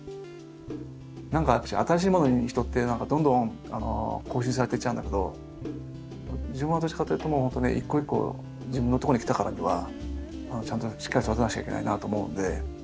何か新しいものに人ってどんどん更新されていっちゃうんだけど自分はどっちかというともう本当に一個一個自分のとこに来たからにはちゃんとしっかり育てなくちゃいけないなと思うんで。